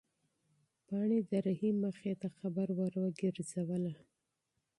پاڼې د رحیم مخې ته خبره ورګرځوله.